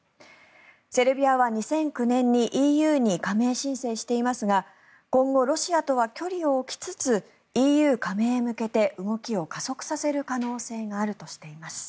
セルビアは２００９年にＥＵに加盟申請していますが今後、ロシアとは距離を置きつつＥＵ加盟へ向けて動きを加速させる可能性があるとしています。